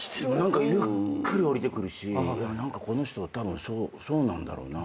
ゆっくり下りてくるし何かこの人たぶんそうなんだろうな。